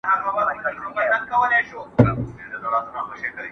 ور روانه سوه د چاغ چرګوړي لورته.